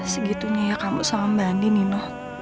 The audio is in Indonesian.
segitunya ya kamu sama mbak andi nino